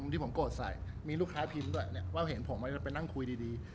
ที่ผมโกรธใส่มีลูกค้าพิมพ์ด้วยว่าเห็นผมไปนั่งคุยดี